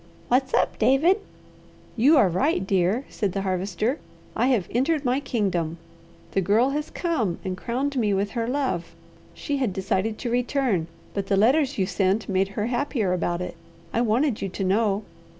"What's up, David?" "You are right, dear," said the Harvester. "I have entered my kingdom. The Girl has come and crowned me with her love. She had decided to return, but the letters you sent made her happier about it. I wanted you to know."